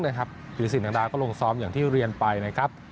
ธีรสินดังดาก็ลงซ้อมอย่างที่เรียนไปนะครับ